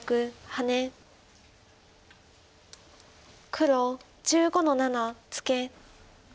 黒１５の七ツケ。